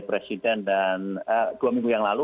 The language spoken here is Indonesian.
presiden dan dua minggu yang lalu